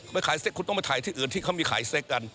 ไปขายเซ็กคุณต้องไปถ่ายที่อื่นที่เขามีขายเซ็กกัน